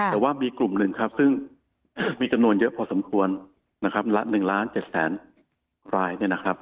แต่ว่ามีกลุ่มหนึ่งซึ่งมีจำนวนเยอะพอสมควร๑ล้าน๗แสนราย